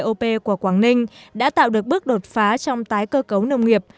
hội trợ năm nay của quảng ninh đã tạo được bước đột phá trong tái cơ cấu nông nghiệp